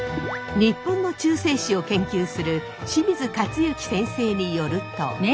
日本の中世史を研究する清水克行先生によると。